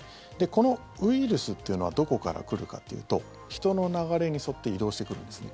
このウイルスっていうのはどこから来るかっていうと人の流れに沿って移動してくるんですね。